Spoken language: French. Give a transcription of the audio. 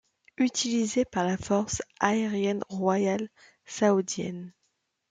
Utilisé par la force aérienne royale saoudienne.